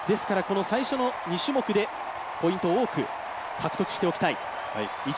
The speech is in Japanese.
最初の２種目でポイントを多く獲得しておきたい。